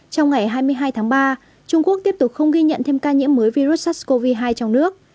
trong ngày hai mươi hai tháng ba trung quốc tiếp tục không ghi nhận thêm ca nhiễm mới virus sars cov hai trong nước